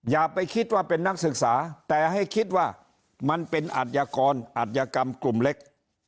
อย่าไปคิดว่าเป็นนักศึกษาแต่ให้คิดว่ามันเป็นอัธยากรอัธยกรรมกลุ่มเล็ก